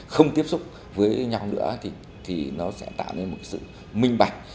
không tiếp xúc với nhau nữa thì nó sẽ tạo nên một sự minh bạch